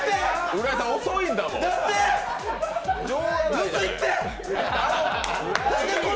浦井さん、遅いんだもん。